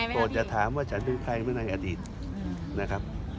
โปรดจะถามว่าชาติมันเป็นใครในอดีต